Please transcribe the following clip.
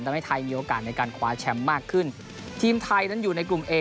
ทำให้ไทยมีโอกาสในการคว้าแชมป์มากขึ้นทีมไทยนั้นอยู่ในกลุ่มเอ